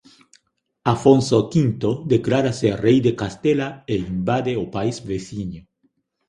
Afonso V declárase rei de Castela e invade o país veciño.